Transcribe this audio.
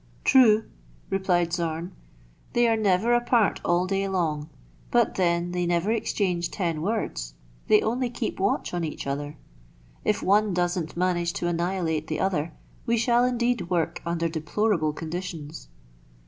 " True," replied Zorn, " they are never apart all day long, but then they never exchange ten words : they only keep watch on each other. If one doesn't manage to annihilate the other, we shall indeed work under deplorable conditions."